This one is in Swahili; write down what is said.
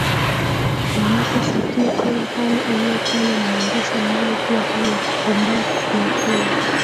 wanapofikia ile hali iliyotajwa na mwandishi mmoja kuwa hali ya kupumbaa kiakili